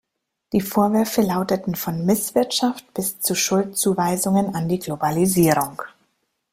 Die Vorwürfe lauteten von Misswirtschaft bis zu Schuldzuweisungen an die Globalisierung.